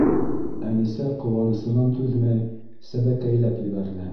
Әнисә ҡыуанысынан түҙмәй сәбәкәйләп ебәрҙе.